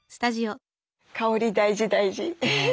香り大事大事。